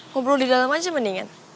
ngobrol di dalam aja mendingan